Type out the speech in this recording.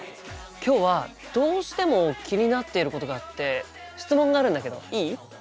今日はどうしても気になっていることがあって質問があるんだけどいい？